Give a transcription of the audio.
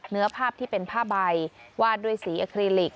เนื้อภาพที่เป็นผ้าใบวาดด้วยสีอคลิลิก